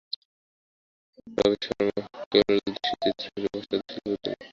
রবি বর্মা কেরলদেশীয় চিত্রশিল্পী, পাশ্চাত্য শিল্পরীতি অনুকরণ করিয়া সুখ্যাতি ও সমৃদ্ধি অর্জন করেন।